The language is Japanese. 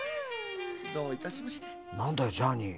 なんだよジャーニー。